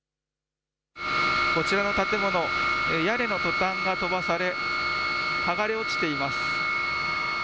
こちらの建物、屋根のトタンが飛ばされ剥がれ落ちています。